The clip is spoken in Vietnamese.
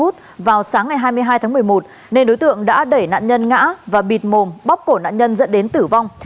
trong ngày hai mươi hai tháng một mươi một nền đối tượng đã đẩy nạn nhân ngã và bịt mồm bóc cổ nạn nhân dẫn đến tử vong